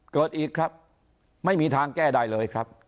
เกิดอีกครับไม่มีทางแก้ได้เลยครับ